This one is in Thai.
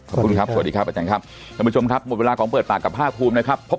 สวัสดีครับคุณผู้ชมครับหมดเวลาของเปิดปากกับภาคภูมินะครับ